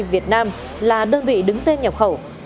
việt nam là đơn vị đứng tên nhập khẩu